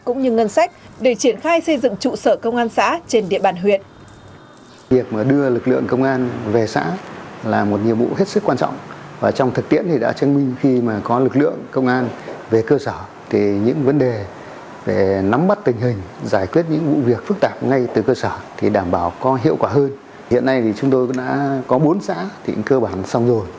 cũng như ngân sách để triển khai xây dựng trụ sở công an xã trên địa bàn huyện